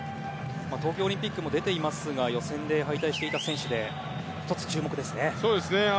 東京オリンピックも出ていますが予選で敗退していた選手で１つ、注目ですね。